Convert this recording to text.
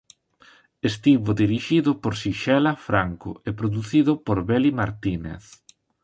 Estivo dirixido por Xisela Franco e producido por Beli Martínez.